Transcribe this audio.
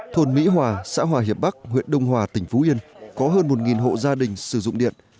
thôn mỹ hòa xã hòa hiệp bắc huyện đông hòa tỉnh phú yên có hơn một hộ gia đình sử dụng điện